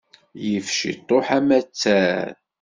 Yif ciṭuḥ amattar.